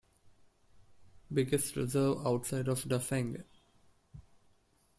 Biggest reserve outside of Dafeng.